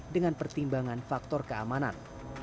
dengan pertimbangan faktor keamanan